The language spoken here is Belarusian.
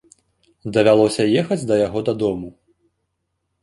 Давялося ехаць да яго дадому.